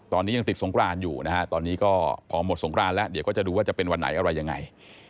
ตอนนี้ยังติดสงครานอยู่นะฮะตอนนี้ก็พอหมดสงครานแล้วเดี๋ยวก็จะดูว่าจะเป็นวันไหนอะไรยังไง